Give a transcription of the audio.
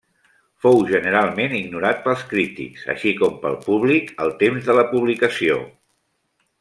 Fou generalment ignorat pels crítics així com pel públic al temps de la publicació.